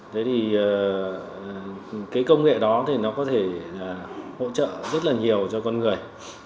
thế thì cái công nghệ đó thì nó có thể hỗ trợ rất là nhiều cho con người